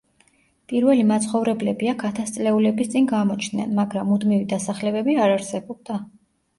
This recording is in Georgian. პირველი მაცხოვრებლები აქ ათასწლეულების წინ გამოჩნდნენ, მაგრამ მუდმივი დასახლებები არ არსებობდა.